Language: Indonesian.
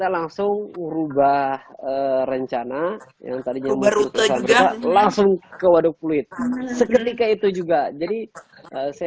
langsung rubah rencana yang tadi langsung ke waduk kulit segera itu juga jadi saya